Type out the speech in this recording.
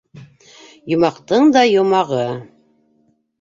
Йомаҡтың да йомағы...